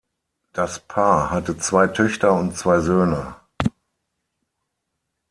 Das Paar hatte zwei Töchter und zwei Söhne.